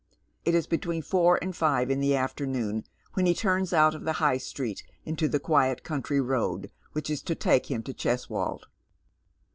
It is between four and five in the afternoon whop he turns out of the High Street into the quiet country road which is to take him to Cheswold.